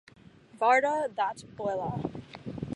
Varda that Beulah!